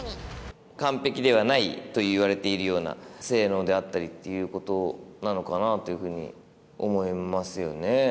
完璧ではないといわれているような、性能であったりっていうことなのかなというふうに思いますよね。